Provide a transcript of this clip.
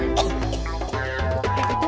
itu itu itu